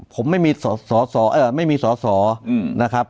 ผมไม่มีสอสอนะครับ